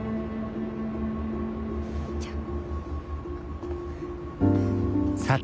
じゃあ。